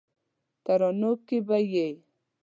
ترانو کې به یې